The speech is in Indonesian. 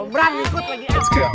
bukannya bukannya mirip aku